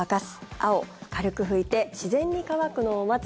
青、軽く拭いて自然に乾くのを待つ。